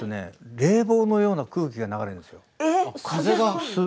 冷房のような空気が流れるんですよ。